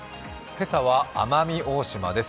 今朝は奄美大島です。